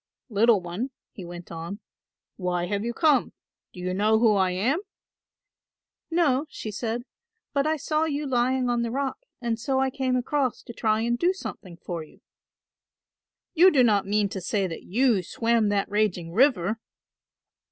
"Little one," he went on, "why have you come; do you know who I am?" "No," she said, "but I saw you lying on the rock and so I came across to try and do something for you." "You do not mean to say that you swam that raging river?"